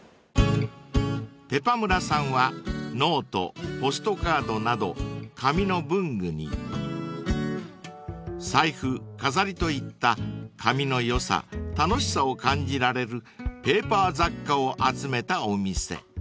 ［ぺぱむらさんはノートポストカードなど紙の文具に財布飾りといった紙のよさ楽しさを感じられるペーパー雑貨を集めたお店］